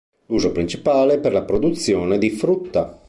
L'uso principale è per la produzione di frutta.